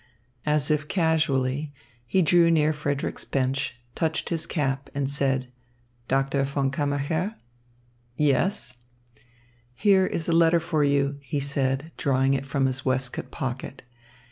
As if casually, he drew near Frederick's bench, touched his cap, and said: "Doctor von Kammacher?" "Yes." "Here is a letter for you," he said, drawing it from his waistcoat pocket.